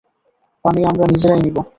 পানি আমরা নিজেরাই নিবো।